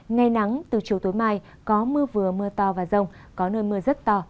ngày nắng từ chiều tối mai có mưa vừa mưa to và rông có nơi mưa rất to